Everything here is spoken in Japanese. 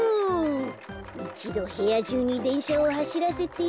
いちどへやじゅうにでんしゃをはしらせて。